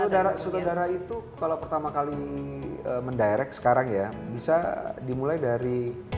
saudara saudara itu kalau pertama kali mendirect sekarang ya bisa dimulai dari